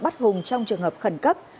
bắt hùng trong trường hợp khẩn cấp